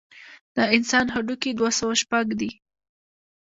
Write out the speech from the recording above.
د انسان هډوکي دوه سوه شپږ دي.